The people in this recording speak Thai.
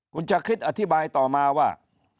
คุณชาคริสอธิบายต่อมาว่า